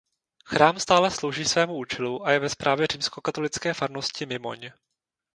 Chrám stále slouží svému účelu a je ve správě římskokatolické farnosti Mimoň.